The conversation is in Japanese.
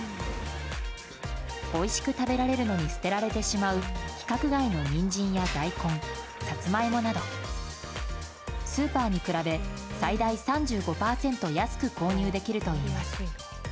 おいしく食べられるのに捨てられてしまう規格外のニンジンや大根サツマイモなどスーパーに比べ最大３５％安く購入できるといいます。